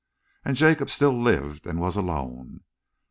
And Jacob still lived and was alone.